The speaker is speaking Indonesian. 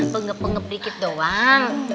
pengep pengep dikit doang